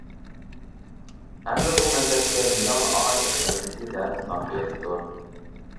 ھەمدە بۇ مەزھەپكە «ھىلال ئاي» مەزھىپى دەپ نام بېرىپتۇ.